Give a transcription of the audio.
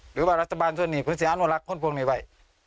หรือว่ารัฐบาลส่วนนี้คุณเสียอนุรักษ์คนพวกนี้ไว้